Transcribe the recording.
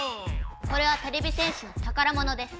これはてれび戦士のたからものです。